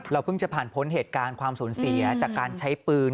เพิ่งจะผ่านพ้นเหตุการณ์ความสูญเสียจากการใช้ปืน